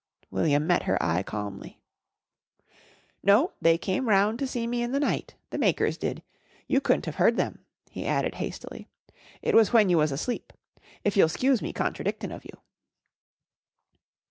William met her eye calmly. "No, they came round to see me in the night the makers did. You cou'n't of heard them," he added hastily. "It was when you was asleep. If you'll 'scuse me contradictin' of you."